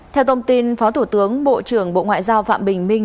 theo thông tin phó thủ tướng bộ trưởng bộ ngoại giao phạm bình minh